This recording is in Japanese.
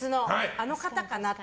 あの方かなって。